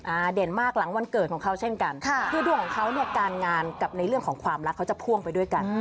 เด่นมากหลังวันเกิดของเขาเช่นกันค่ะคือดวงของเขาเนี่ยการงานกับในเรื่องของความรักเขาจะพ่วงไปด้วยกัน